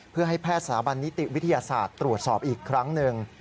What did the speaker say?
เพื่อให้แพทย์สถาบันนิติวิทยาศาสตร์ตรวจสอบอีกครั้งหนึ่ง